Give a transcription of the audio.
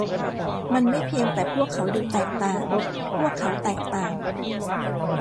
มันไม่เพียงแต่พวกเขาดูแตกต่าง พวกเขาแตกต่าง